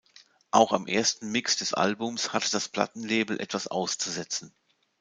Auch am ersten Mix des Albums hatte das Plattenlabel etwas auszusetzen.